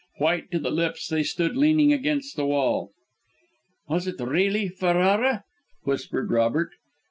White to the lips they stood leaning against the wall. "Was it really Ferrara?" whispered Robert.